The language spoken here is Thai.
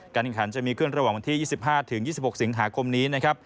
การแห่งขันจะมีเคลื่อนระหว่างที่๒๕๒๖สิงหาคมนี้